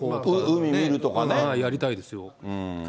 やりたいですよ。